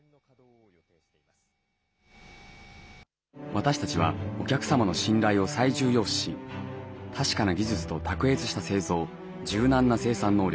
私たちはお客様の信頼を最重要視し、確かな技術と卓越した製造、柔軟な生産能力。